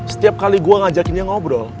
setiap kali gue ngajakinnya ngobrol